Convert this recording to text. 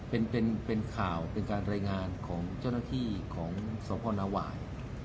เป็นข่าวเป็นการรายงานของเจ้าหน้าที่ของสพนหวาย